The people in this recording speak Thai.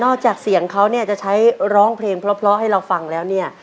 จากเสียงเขาเนี่ยจะใช้ร้องเพลงเพราะให้เราฟังแล้วเนี่ย